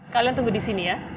kalian tunggu di sini ya